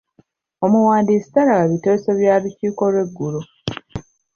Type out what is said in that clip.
Omuwandiisi talaba biteeso bya lukiiko lw'eggulo.